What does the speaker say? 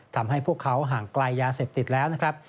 ทำให้พวกเขาห่างไกลยาเสพติดแล้วนะครับ